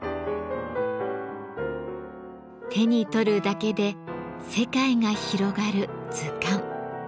手に取るだけで世界が広がる図鑑。